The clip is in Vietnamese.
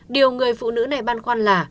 điều người phụ nữ này băn khoăn là